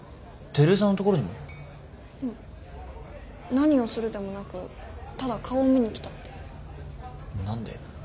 何をするでもなくただ顔見に来たって。何で？